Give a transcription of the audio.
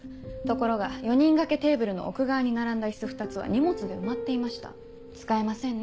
ところが４人掛けテーブルの奥側に並んだ椅子２つは荷物で埋まっていました使えませんね。